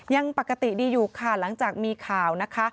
ยังปกติดีอยู่ค่ะหลังจากมีข่าวนะคะ